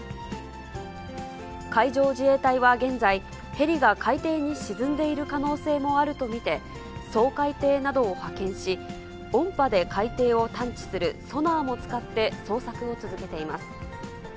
海上自衛隊は現在、ヘリが海底に沈んでいる可能性もあると見て、掃海艇などを派遣し、音波で海底を探知するソナーも使って、捜索を続けています。